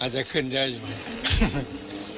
อาจจะขึ้นเยอะอยู่